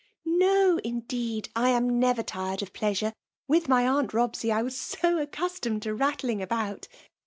•* No, indeed ; I am never tired of plea 8i6fe. With my aunt Robsey, I was so accus totned to Tattling about